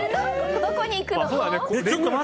どこに行くの？